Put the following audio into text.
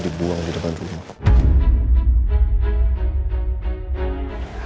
dibuang di depan rumah